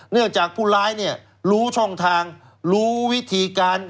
จากผู้ร้ายเนี่ยรู้ช่องทางรู้วิธีการ